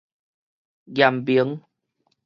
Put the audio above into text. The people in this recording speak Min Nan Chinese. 嚴明